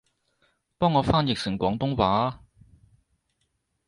幫我翻譯成廣東話吖